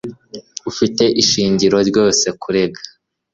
Ufite ishingiro rwose kurega